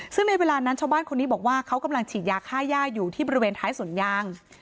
ซึ่งในเวลานั้นชาวบ้านคนนี้บอกว่าเขากำลังฉีดยาค่าย่าอยู่ที่บริเวณท้ายสวนยาง